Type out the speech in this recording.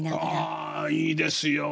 あいいですよ。